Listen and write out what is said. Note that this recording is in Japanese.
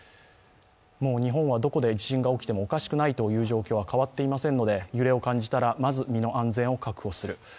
日本はどこで地震が起きてもおかしくないという状況は変わっていませんので揺れを感じたら、まず身の安全を確保する。